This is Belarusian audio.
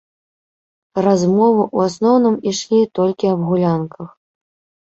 Размовы ў асноўным ішлі толькі аб гулянках.